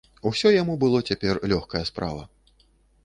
Усё яму было цяпер лёгкая справа.